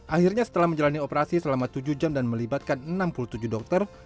akhirnya setelah menjalani operasi selama tujuh jam dan melibatkan enam puluh tujuh dokter